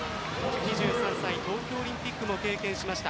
２３歳東京オリンピックも経験しました。